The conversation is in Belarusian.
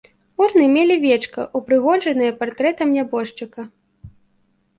Урны мелі вечка, упрыгожанае партрэтам нябожчыка.